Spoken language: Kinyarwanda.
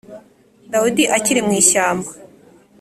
Dawidi akiri mu ishyamba